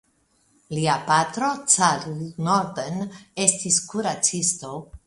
Lia patro Carl Norden estis kuracisto.